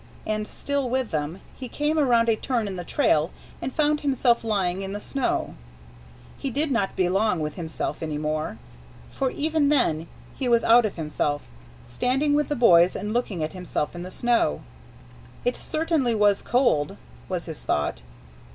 And, still with them, he came around a turn in the trail and found himself lying in the snow. He did not belong with himself any more, for even then he was out of himself, standing with the boys and looking at himself in the snow. It certainly was cold, was his thought.